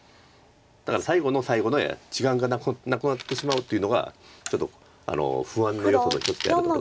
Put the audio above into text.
だから最後の最後で時間がなくなってしまうというのがちょっと不安の要素の一つである。